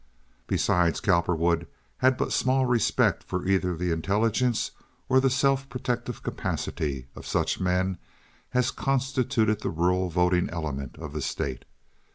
Besides, Cowperwood had but small respect for either the intelligence or the self protective capacity of such men as constituted the rural voting element of the state.